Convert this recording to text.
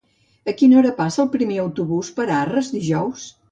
A quina hora passa el primer autobús per Arres dijous?